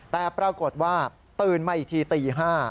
แต่ปรากฏว่าตื่นมาอีกทีตี๕